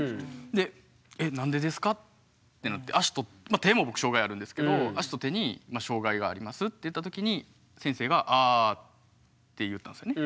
で「え何でですか？」ってなって足と手も僕障害あるんですけど。って言った時に先生が「あ」って言ったんすよね。